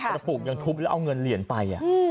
กระปุกยังทุบแล้วเอาเงินเหรียญไป